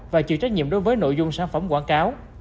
và chịu trách nhiệm đối với nội dung sản phẩm quảng cáo